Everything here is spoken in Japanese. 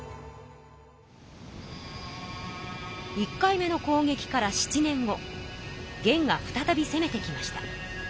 １回目のこうげきから７年後元が再びせめてきました。